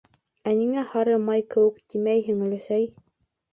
Ә ниңә һары май кеүек тимәйһең, өләсәй?!